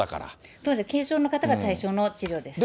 そうです、軽症の方が対象の治療です。